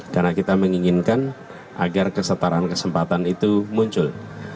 karena kita menginginkan agar kesetaraan kesempatan itu muncul